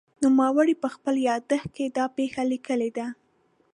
نوموړي په خپل یادښت کې دا پېښه لیکلې ده.